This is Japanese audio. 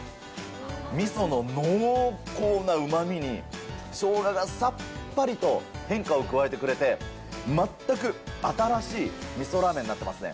みその濃厚なうまみに、ショウガがさっぱりと変化を加えてくれて、全く新しいみそラーメンになってますね。